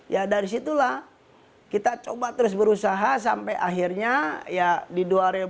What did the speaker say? ya dari situlah kita coba terus berusaha sampai akhirnya ya di dua ribu dua puluh